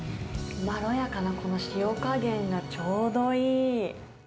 まろやかなこの塩加減がちょうどいい。